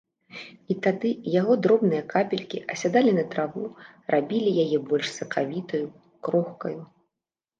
І тады яго дробныя капелькі асядалі на траву, рабілі яе больш сакавітаю, крохкаю.